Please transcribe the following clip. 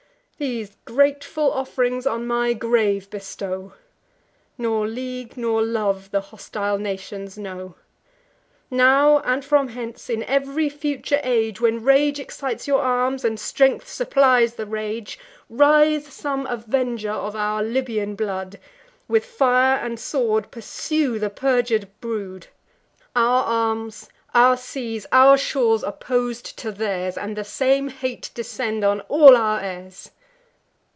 These grateful off'rings on my grave bestow; Nor league, nor love, the hostile nations know! Now, and from hence, in ev'ry future age, When rage excites your arms, and strength supplies the rage Rise some avenger of our Libyan blood, With fire and sword pursue the perjur'd brood; Our arms, our seas, our shores, oppos'd to theirs; And the same hate descend on all our heirs!"